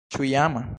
Ĉu jam?